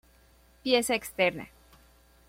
Pieza externa.